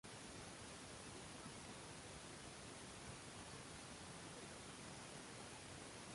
Talabga nisbatan taklif yuqori bo'lganda-gina arzonchilik bo'lishi kuzatilishi mumkin.